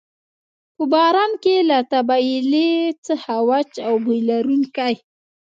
په باران کې له طبیلې څخه وچ او بوی لرونکی.